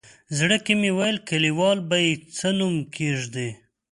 زړه کې مې ویل کلیوال به یې څه نوم کېږدي.